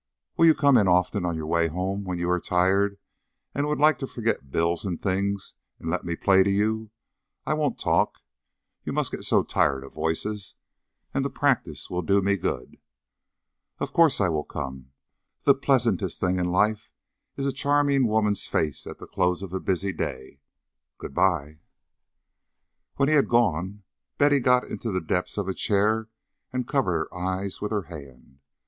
"Will you come in often on your way home when you are tired and would like to forget bills and things, and let me play to you? I won't talk you must get so tired of voices! and the practice will do me good." "Of course I will come. The pleasantest thing in life is a charming woman's face at the close of a busy day. Good bye." When he had gone, Betty got into the depths of a chair and covered her eyes with her hand.